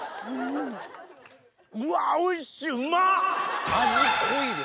うわおいしい！